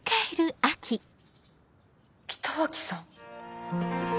北脇さん？